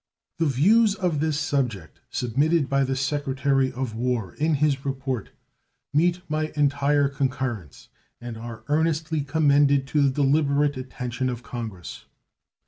The views of this subject submitted by the Secretary of War in his report meet my entire concurrence, and are earnestly commended to the deliberate attention of Congress.